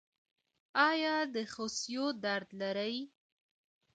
ایا د خصیو درد لرئ؟